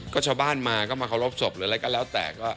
ก็ชาวบ้านมาก็มาเคารพศพหรืออะไรก็แล้วแต่ก็